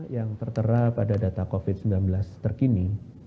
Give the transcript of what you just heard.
yang tertera pada data covid sembilan belas terkini